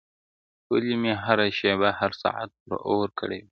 o ولي مي هره شېبه هر ساعت پر اور کړوې.